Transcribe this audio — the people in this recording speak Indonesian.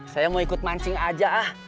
saya mau ikut mancing aja ah